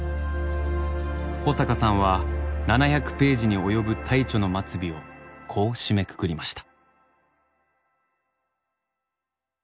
保阪さんは７００ページに及ぶ大著の末尾をこう締めくくりました。